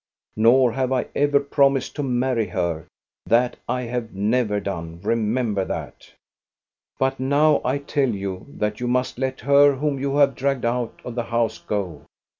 Nor have I ever promised to marry her; that I have never done. Remember that !" But now I tell you that you must let her whom you have dragged out of the house go.